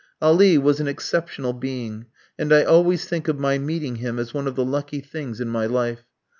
Ali was an exceptional being, and I always think of my meeting him as one of the lucky things in my life.